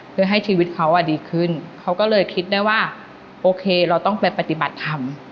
เพื่อให้ชีวิตเขาดีขึ้นเขาก็เลยคิดได้ว่าโอเคเราต้องไปปฏิบัติธรรม